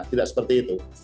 tidak seperti itu